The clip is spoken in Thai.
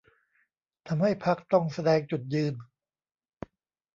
ทำให้พรรคต้องแสดงจุดยืน